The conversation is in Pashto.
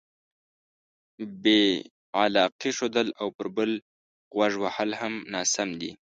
بې علاقې ښودل او پر بل غوږ وهل هم ناسم دي.